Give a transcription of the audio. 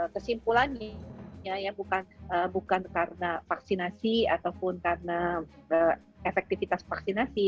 kesimpulannya ya bukan karena vaksinasi ataupun karena efektivitas vaksinasi